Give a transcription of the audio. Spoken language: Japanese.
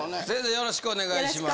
よろしくお願いします。